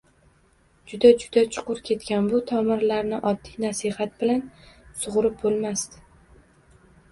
juda-juda chuqur ketgan bu tomirlarni oddiy nasihat bilan sugʻurib boʻlmasdi.